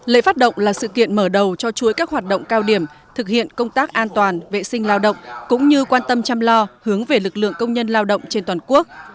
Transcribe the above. lễ phát động là sự kiện mở đầu cho chuỗi các hoạt động cao điểm thực hiện công tác an toàn vệ sinh lao động cũng như quan tâm chăm lo hướng về lực lượng công nhân lao động trên toàn quốc